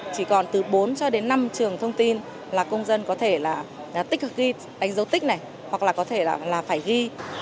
chỉ còn từ bốn cho đến năm trường thông tin là công dân có thể là tích hợp ghi đánh dấu tích này hoặc là có thể là phải ghi